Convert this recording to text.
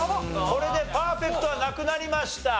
これでパーフェクトはなくなりました。